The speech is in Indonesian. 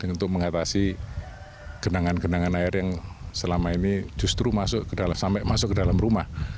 untuk mengatasi genangan genangan air yang selama ini justru sampai masuk ke dalam rumah